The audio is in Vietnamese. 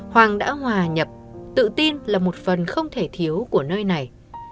hoàng đã hòa nhập tự tin là một phần không thể thiếu của nơi này